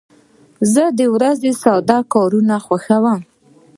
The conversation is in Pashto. زه د ورځې ساده کارونه خوښوم.